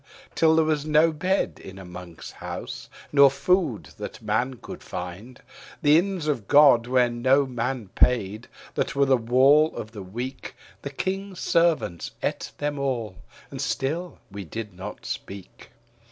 Till there was not bed in a monk's house, nor food that man could find. The inns of God where no main paid, that were the wall of the weak, The King's Servants ate them all. And still we did not speak.